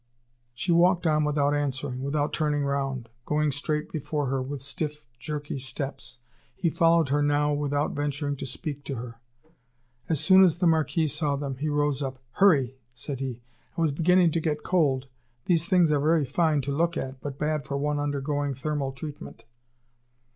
She walked on without answering, without turning round, going straight before her with stiff, jerky steps. He followed her now without venturing to speak to her. As soon as the Marquis saw them, he rose up: "Hurry," said he; "I was beginning to get cold. These things are very fine to look at, but bad for one undergoing thermal treatment!"